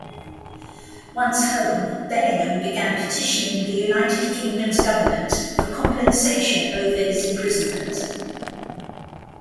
Once home, Bellingham began petitioning the United Kingdom's government for compensation over his imprisonment.